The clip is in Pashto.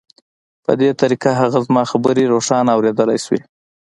په دې طریقه هغه زما خبرې روښانه اورېدلای شوې